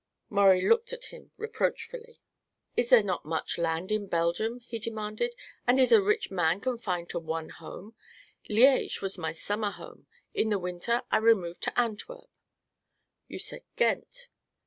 Maurie looked at him reproachfully. "Is there not much land in Belgium?" he demanded; "and is a rich man confined to one home? Liege was my summer home; in the winter I removed to Antwerp." "You said Ghent."